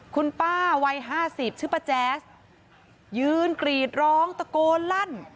คุณป้าวัย๕๐ชื่อป้าแจ๊สยืนกรีดร้องตะโกนลั่น